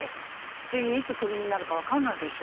次いつクビになるか分かんないでしょ。